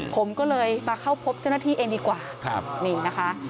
ผมก็เลยมาเข้าพบเจ้าหน้าที่เองดีกว่านี่นะคะ